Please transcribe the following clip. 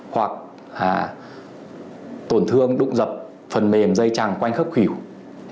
hoặc là tổn thương đụng dập phần mềm dây trằng quanh khớp khủy hữu